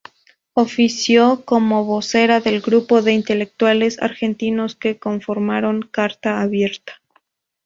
Ofició como vocera del grupo de intelectuales argentinos que conformaron Carta Abierta.